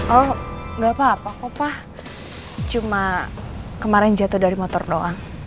oh gak apa apa apa apa cuma kemarin jatuh dari motor doang